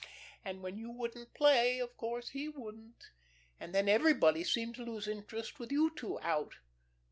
And when you wouldn't play, of course he wouldn't; and then everybody seemed to lose interest with you two out.